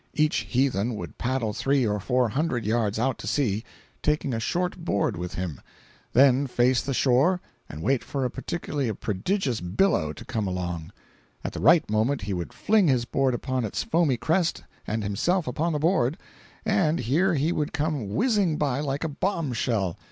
Each heathen would paddle three or four hundred yards out to sea, (taking a short board with him), then face the shore and wait for a particularly prodigious billow to come along; at the right moment he would fling his board upon its foamy crest and himself upon the board, and here he would come whizzing by like a bombshell!